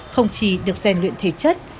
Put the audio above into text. không chỉ được dàn luyện thể chất